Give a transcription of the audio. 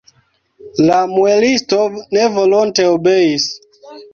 La muelisto nevolonte obeis.